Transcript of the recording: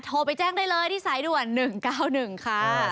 โทรไปแจ้งได้เลยที่สายด่วน๑๙๑ค่ะ